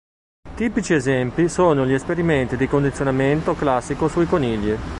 Tipici esempi sono gli esperimenti di condizionamento classico sui conigli.